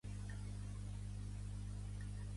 En aquell moment ella li pertanyia, per sempre.